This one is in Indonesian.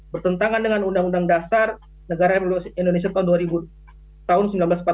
bertentangan dengan undang undang dasar negara indonesia tahun seribu sembilan ratus empat puluh lima